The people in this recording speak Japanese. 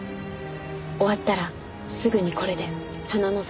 終わったらすぐにこれで花の里に連絡して。